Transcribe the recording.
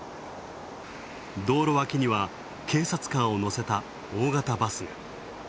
道路脇には警察官を乗せた大型バスが。